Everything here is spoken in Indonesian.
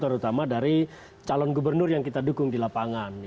terutama dari calon gubernur yang kita dukung di lapangan